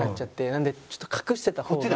なのでちょっと隠してた方が。